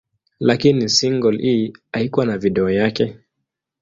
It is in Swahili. Lakini single hii haikuwa na video yake.